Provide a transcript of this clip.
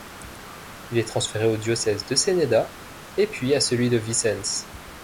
Il est transféré au diocèse de Ceneda et puis à celui de Vicence.